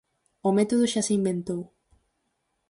O método xa se inventou.